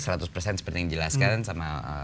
seperti yang dijelaskan sama